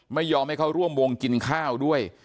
ไม่ยอมให้เขาร่วมวงกินข้าวด้วย